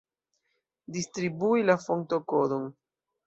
Distribui la fontokodon.